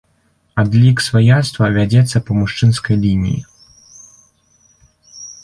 Адлік сваяцтва вядзецца па мужчынскай лініі.